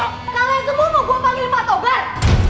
kalian semua mau gue panggil mato gar